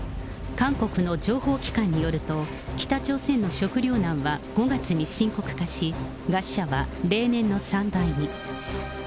韓国の情報機関によると、北朝鮮の食糧難は５月に深刻化し、餓死者は例年の３倍に。